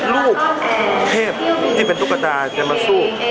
ลูกเทพที่เป็นตุ๊กตาจะมาสู้